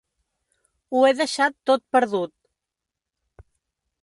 Ho he deixat tot perdut.